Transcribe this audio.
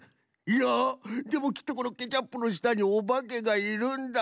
いやでもきっとこのケチャップのしたにおばけがいるんだ。